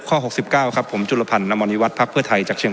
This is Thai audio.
ข้อหกสิบเก้าครับผมจุลภัณฑ์นมวภภภไทยจากเชียง